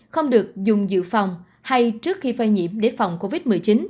không được dùng dự phòng hay trước khi phơi nhiễm để phòng covid một mươi chín